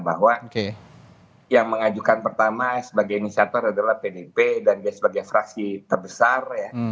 bahwa yang mengajukan pertama sebagai inisiator adalah pdip dan dia sebagai fraksi terbesar